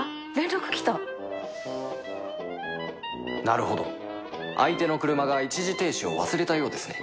なるほど相手の車が一時停止を忘れたようですね